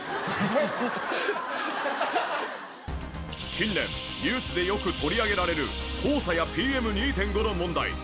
近年ニュースでよく取り上げられる黄砂やＰＭ２．５の問題。